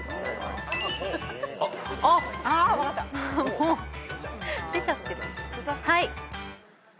もう出ちゃってる。